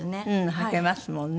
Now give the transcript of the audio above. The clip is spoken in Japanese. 履けますもんね。